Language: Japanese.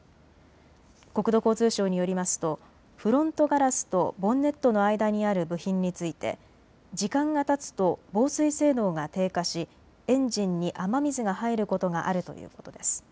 国土交通省によりますとフロントガラスとボンネットの間にある部品について時間がたつと防水性能が低下しエンジンに雨水が入ることがあるということです。